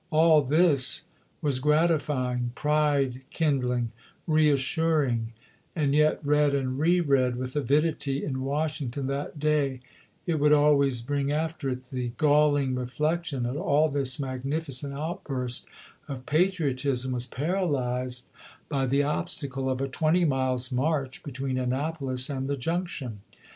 All this was gratifying, pride kindling, reassuring ; and yet, read and re read with avidity in Wash ington that day, it would always bring after it the galling reflection that all this magnificent outbm st of patriotism was paralyzed by the obstacle of a twenty miles' march between Annapolis and the junction.